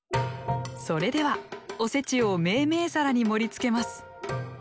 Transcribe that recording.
それではおせちを銘々皿に盛り付けます。